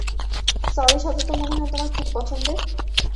Sorry শব্দটা মনেহয় তোমার খুব পছন্দের?